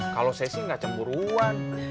kalau saya sih gak cemuruan